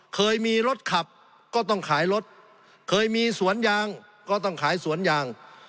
เคยมีรถขับก็ต้องขายรถเคยมีสวนยางก็ต้องขายสวนยาง